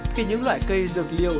khi những loại cây dược liệu